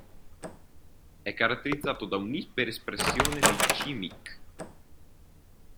È caratterizzato da un'iperespressione di c-myc.